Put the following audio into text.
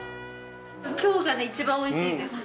今日がね一番おいしいです。